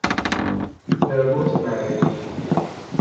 They are both married.